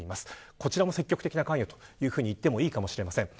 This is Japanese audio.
こちらも積極的な関与とみていいかもしれません。